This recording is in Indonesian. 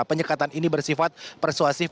penyekatan ini bersifat persuasif